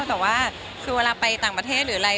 แต่ว่าคือเวลาไปต่างประเทศหรืออะไร